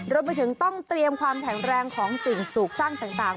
รวมไปถึงต้องเตรียมความแข็งแรงของสิ่งปลูกสร้างต่าง